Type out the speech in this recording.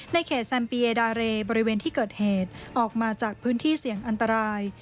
เขตแซมเปียดาเรบริเวณที่เกิดเหตุออกมาจากพื้นที่เสี่ยงอันตราย